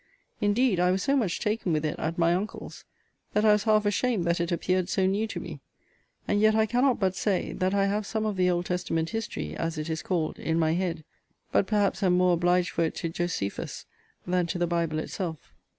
Indeed, I was so much taken with it at my uncle's, that I was half ashamed that it appeared so new to me. And yet, I cannot but say, that I have some of the Old Testament history, as it is called, in my head: but, perhaps, am more obliged for it to Josephus than to the Bible itself.